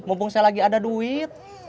mumpung saya lagi ada duit